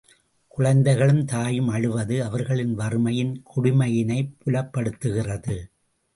குழந்தைகளும் தாயும் அழுவது, அவர்களின் வறுமையின் கொடுமையினைப் புலப்படுத்துகிறது.